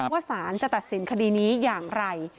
ว่าสารจะตัดสินคดีนี้อย่างไร